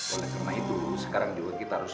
oleh karena itu sekarang juga kita harus